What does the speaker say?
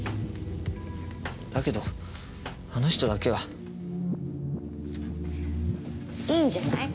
だけどあの人だけは。いいんじゃない？